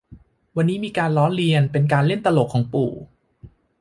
วันนี้มีการล้อเลียนเป็นการเล่นตลกของปู่